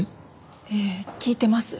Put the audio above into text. ええ聞いてます。